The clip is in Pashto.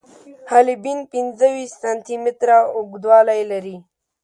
حالبین پنځه ویشت سانتي متره اوږدوالی لري.